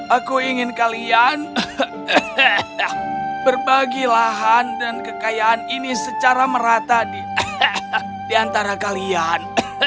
aku ingin kalian berbagi lahan dan kekayaan ini secara merata di antara kalian